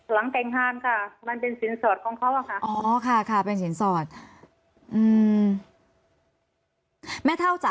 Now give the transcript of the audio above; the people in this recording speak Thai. หลังแต่งงานค่ะมันเป็นสินสอดของเขาค่ะ